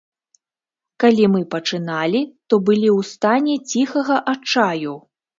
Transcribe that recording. Калі мы пачыналі, то былі ў стане ціхага адчаю.